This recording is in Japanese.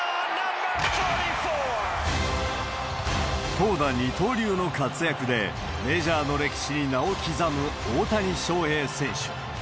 投打二刀流の活躍で、メジャーの歴史に名を刻む大谷翔平選手。